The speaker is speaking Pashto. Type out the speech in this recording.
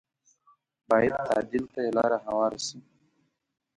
بايد تعديل ته یې لاره هواره شي